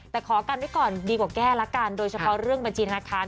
แต่ขอกันไว้ก่อนดีกว่าแก้ละกันโดยเฉพาะเรื่องบัญชีธนาคาร